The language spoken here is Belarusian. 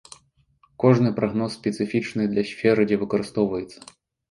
Кожны прагноз спецыфічны для сферы дзе выкарыстоўваецца.